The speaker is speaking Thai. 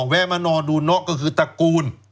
แวร์มะนอร์ดุละก็คือตระกูล